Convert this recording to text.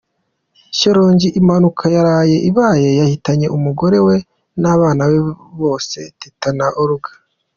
Shyorongi: Impanuka yaraye ibaye yahitanye umugore we n’abana be bose: Teta na Olga.